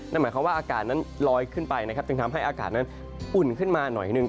นั่นหมายความว่าอากาศนั้นลอยขึ้นไปนะครับจึงทำให้อากาศนั้นอุ่นขึ้นมาหน่อยหนึ่ง